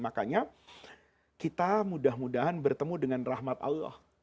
makanya kita mudah mudahan bertemu dengan rahmat allah